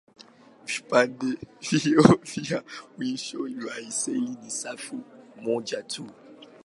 Vipande vyao vya mwisho vya seli ni safu moja tu.